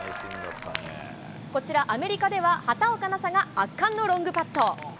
こちら、アメリカでは畑岡奈紗が圧巻のロングパット。